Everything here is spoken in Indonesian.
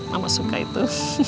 mama suka itu